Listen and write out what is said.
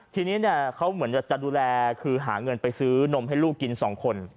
ทีนี้เนี่ยเขาเหมือนจะดูแลคือหาเงินไปซื้อนมให้ลูกกิน๒คน